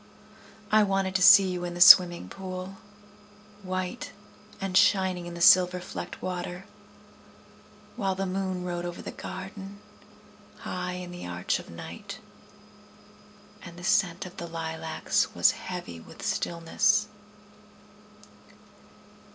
I wanted to see you in the swimming pool, White and shining in the silver flecked water. While the moon rode over the garden, High in the arch of night, And the scent of the lilacs was heavy with stillness.